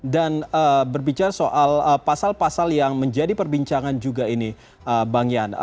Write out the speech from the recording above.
dan berbicara soal pasal pasal yang menjadi perbincangan juga ini bang yan